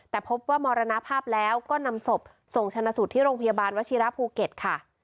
แต่พบว่ามรณภาพแล้วก็นำศพส่งชนะสูตรที่โรงพยาบาลวชิระภูเก็ตค่ะ